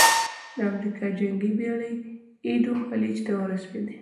د امریکا جنګي بېړۍ ایدو خلیج ته ورسېدې.